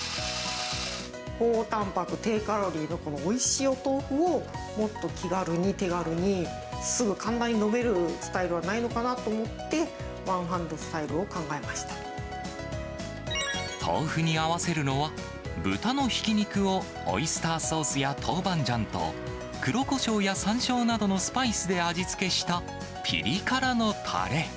高たんぱく、低カロリーのこのおいしいお豆腐を、もっと気軽に、手軽にすぐ簡単に飲めるスタイルはないのかなと思って、豆腐に合わせるのは、豚のひき肉をオイスターソースやトウバンジャンと、黒こしょうやさんしょうなどのスパイスで味付けしたピリ辛のたれ。